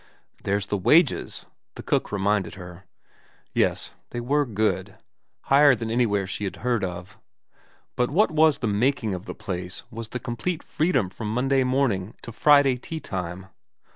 ' There's the wages,' the cook reminded her. HI VERA 237 Yes ; they were good ; higher than anywhere she had heard of. But what was the making of the place was the complete freedom from Monday morning every week to Friday tea time.